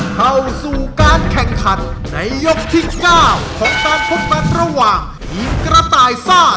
เข้าสู่การแข่งขันในยกที่๙ของการพบกันระหว่างทีมกระต่ายซ่า